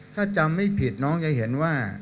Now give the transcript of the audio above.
ถ้าจำไม่ผิดน้องจะเห็นว่า